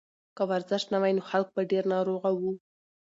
که ورزش نه وای نو خلک به ډېر ناروغه وو.